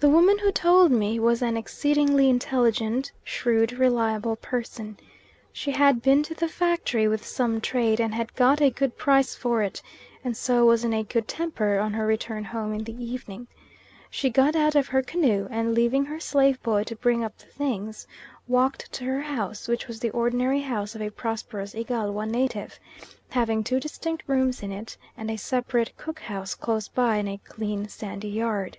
The woman who told me was an exceedingly intelligent, shrewd, reliable person. She had been to the factory with some trade, and had got a good price for it, and so was in a good temper on her return home in the evening. She got out of her canoe and leaving her slave boy to bring up the things, walked to her house, which was the ordinary house of a prosperous Igalwa native, having two distinct rooms in it, and a separate cook house close by in a clean, sandy yard.